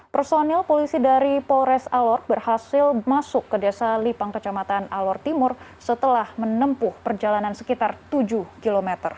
personil polisi dari polres alor berhasil masuk ke desa lipang kecamatan alor timur setelah menempuh perjalanan sekitar tujuh km